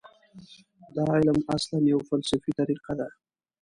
دا علم اصلاً یوه فلسفي طریقه ده.